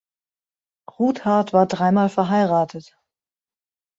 Rudhart war dreimal verheiratet.